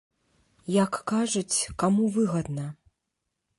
Як кажуць, каму выгадна?